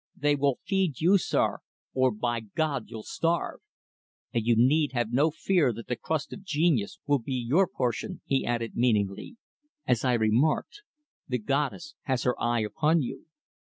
They will feed you, sir, or by God you'll starve! But you need have no fear that the crust of genius will be your portion," he added meaningly. "As I remarked the 'Goddess' has her eye upon you."